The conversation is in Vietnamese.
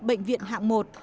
bệnh viện hạng một